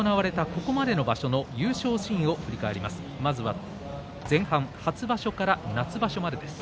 ここまでの場所の優勝シーンを振り返ります。